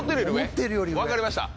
分かりました。